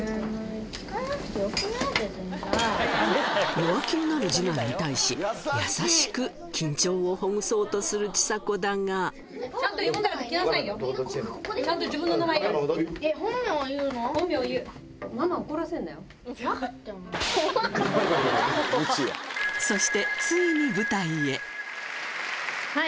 弱気になる二男に対し優しく緊張をほぐそうとするちさ子だがそしてはい。